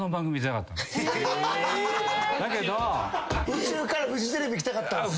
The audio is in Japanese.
宇宙からフジテレビ来たかったんすか？